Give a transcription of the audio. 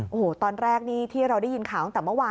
โอ้โหตอนแรกนี่ที่เราได้ยินข่าวตั้งแต่เมื่อวาน